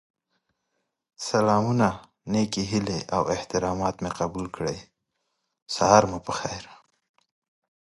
دلته تجربې بالفعل نه، بالقوه مانا لري.